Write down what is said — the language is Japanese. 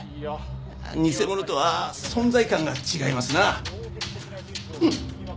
偽者とは存在感が違いますな。